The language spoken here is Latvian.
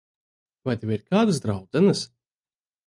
Vai tev ir kādas draudzenes?